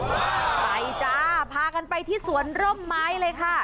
ไปจ้าพากันไปที่สวนร่มไม้เลยค่ะ